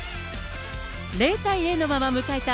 ０対０のまま迎えた